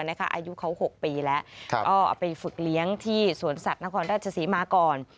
อายุเขา๖ปีแล้วก็เอาไปฝึกเลี้ยงที่สวนสัตว์นครราชศรีมาก่อน